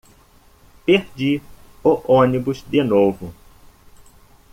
Perdi o ônibus de novo.